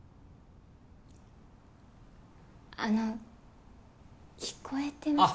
あの聞こえてます？